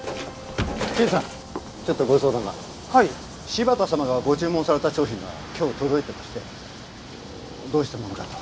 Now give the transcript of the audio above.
柴田様がご注文された商品が今日届いてましてどうしたものかと。